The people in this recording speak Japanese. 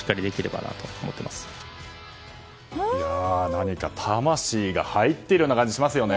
何か魂が入っているような感じがしますよね。